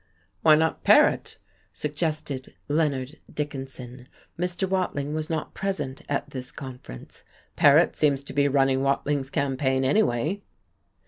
"Why not Paret?" suggested Leonard Dickinson. Mr. Watling was not present at this conference. "Paret seems to be running Watling's campaign, anyway."